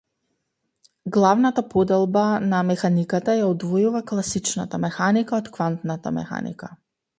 Главната поделба на механиката ја одвојува класичната механика од квантната механика.